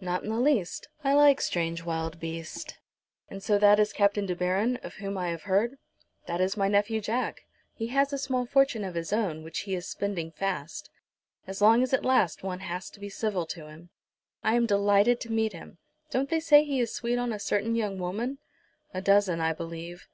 "Not in the least. I like strange wild beasts. And so that is Captain De Baron, of whom I have heard?" "That is my nephew, Jack. He has a small fortune of his own, which he is spending fast. As long as it lasts one has to be civil to him." "I am delighted to meet him. Don't they say he is sweet on a certain young woman?" "A dozen, I believe."